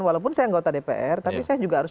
walaupun saya anggota dpr tapi saya juga harus